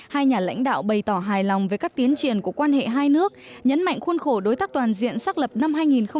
hai nhà lãnh đạo bày tỏ hài lòng về các tiến triển của quan hệ hai nước nhấn mạnh khuôn khổ đối tác toàn diện xác lập năm hai nghìn một mươi chín